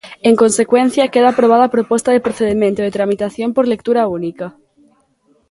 En consecuencia, queda aprobada a proposta de procedemento de tramitación por lectura única.